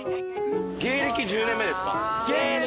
芸歴１０年目ですか？